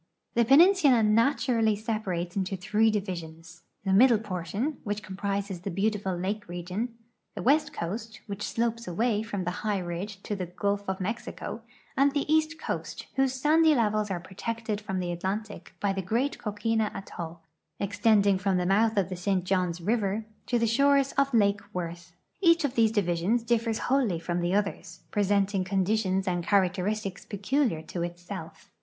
The peninsula naturally separates into three divisions ; the middle portion, which comprises the beautiful lake region ; the west coast, which slopes away from the high ridge to the gulf of INIexico, and the east coast, whose sand}^ levels are protected from the Atlantic by the great coquina atoll, extending from the mouth of the St. Johns river to the shores of lake Worth. Each of these divisions differs wholly from the others, presenting con ditions and characteristics peculiar to itself.